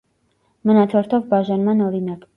Մնացորդով բաժանման օրինակ։